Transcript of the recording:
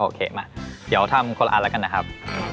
โอเคมาเดี๋ยวทำคนละอันแล้วกันนะครับ